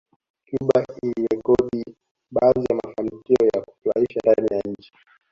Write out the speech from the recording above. Cuba ilirekodi baadhi ya mafanikio ya kufurahisha ndani ya nchi